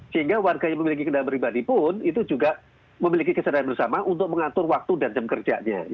sehingga warga yang memiliki kendaraan pribadi pun itu juga memiliki kesadaran bersama untuk mengatur waktu dan jam kerjanya